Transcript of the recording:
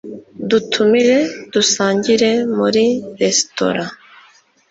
Dutumire gusangira muri resitora.